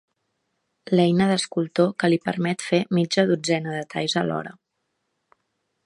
L'eina d'escultor que li permet fer mitja dotzena de talls alhora.